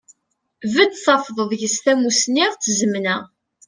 Dd tafeḍ deg-s tamusni d tzemna.